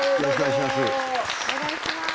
お願いします。